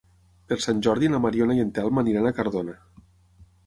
Per Sant Jordi na Mariona i en Telm aniran a Cardona.